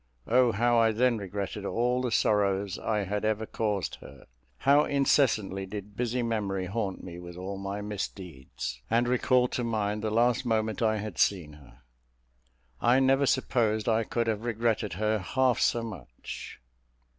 O how I then regretted all the sorrows I had ever caused her; how incessantly did busy memory haunt me with all my misdeeds, and recall to mind the last moment I had seen her! I never supposed I could have regretted her half so much.